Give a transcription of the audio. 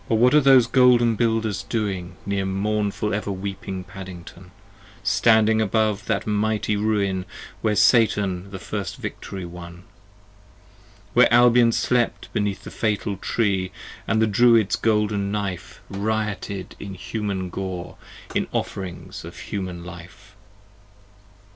What are those golden Builders doing Near mournful ever weeping Paddington, Standing above that mighty Ruin 45 Where Satan the first victory won, Where Albion slept beneath the Fatal Tree, And the Druids' golden Knife Rioted in human gore, In Offerings of Human Life?